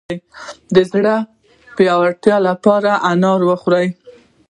د زړه د پیاوړتیا لپاره انار وخورئ